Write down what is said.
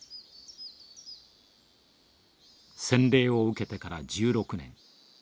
洗礼を受けてから１６年。